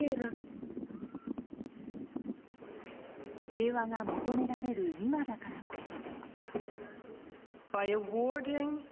平和が求められる今だからこそ。